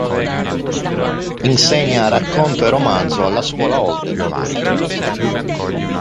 Insegna Racconto e Romanzo alla Scuola Holden di Torino.